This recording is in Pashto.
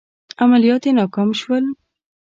عملیات یې ناکام شول.